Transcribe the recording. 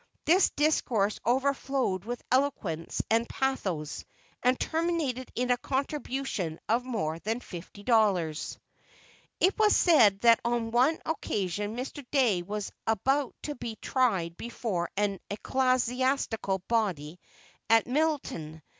This discourse overflowed with eloquence and pathos, and terminated in a contribution of more than fifty dollars. It was said that on one occasion Mr. Dey was about to be tried before an ecclesiastical body at Middletown.